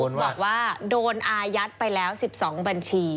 บอกว่าโดนอายัดไปแล้ว๑๒บัญชี